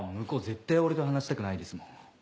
絶対俺と話したくないですもん。